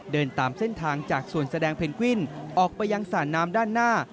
เดินตามเส้นทางจากส่วนแสดงเพนกวินออกไปยังสระน้ำด้านหน้า